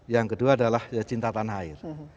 yang kedua adalah cinta tanah air